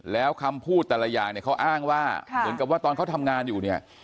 แล้วคำพูดแต่ละอย่างเนี่ยเขาอ้างว่าเหมือนกับว่าตอนเขาทำงานอยู่เนี่ย